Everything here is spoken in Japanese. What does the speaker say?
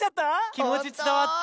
きもちつたわった！